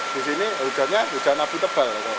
disini hujannya hujan abu tebal